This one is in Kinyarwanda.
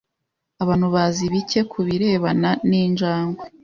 abantu bazi bike ku birebana ninjagwe